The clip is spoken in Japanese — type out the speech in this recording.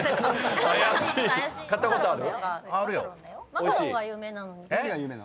マカロンが有名なのに。